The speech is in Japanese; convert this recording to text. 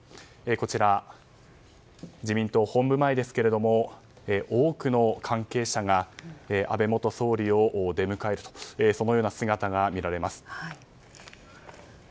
こちら、自民党本部前ですが多くの関係者が安倍元総理を出迎えるとそのような姿が見られます。